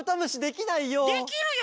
できるよ！